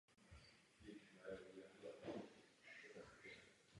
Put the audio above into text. Nedaleko se nachází kosmodrom Bajkonur.